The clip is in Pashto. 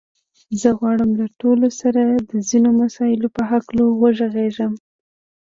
زه غواړم له تاسو سره د ځينو مسايلو په هکله وغږېږم.